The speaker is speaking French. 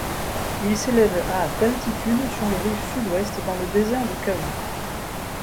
Il s'élève à d'altitude sur le rift Sud-Ouest, dans le désert de Kaʻū.